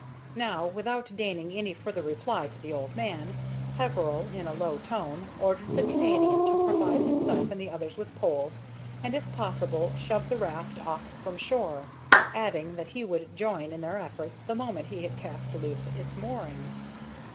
Now, without deigning any further reply to the old man, Peveril, in a low tone, ordered the Canadian to provide himself and the others with poles, and, if possible, shove the raft off from shore, adding that he would join in their efforts the moment he had cast loose its moorings.